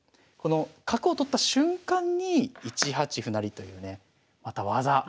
この角を取った瞬間に１八歩成というねまた技。